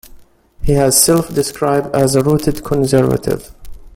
He has self-described as a "rooted conservative".